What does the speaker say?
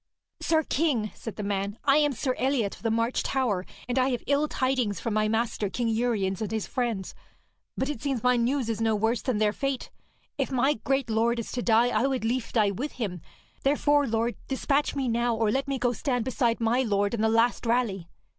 'Sir king,' said the man, 'I am Sir Eliot of the March Tower, and I have ill tidings for my master, King Uriens, and his friends, but it seems my news is no worse than their fate. If my great lord is to die, I would lief die with him. Therefore, lord, despatch me now, or let me go stand beside my lord in the last rally.'